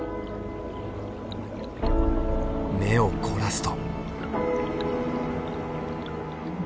目を凝らすと。